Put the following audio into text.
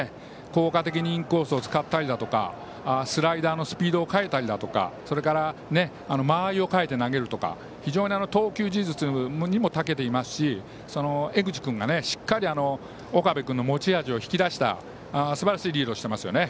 効果的にインコースを使ったりスライダーのスピードを変えたりだとかそれから間合いを変えて投げるとか投球技術にもたけていますし江口君がしっかり岡部君の持ち味を引き出したすばらしいリードをしていますね。